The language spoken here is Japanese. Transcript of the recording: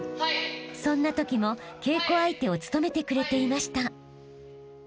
［そんなときも稽古相手を務めてくれていました］